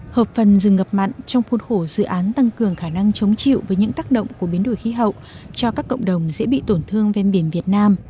hợp phần dừng ngập mặn trong khuôn khổ dự án tăng cường khả năng chống chịu với những tác động của biến đổi khí hậu cho các cộng đồng dễ bị tổn thương ven biển việt nam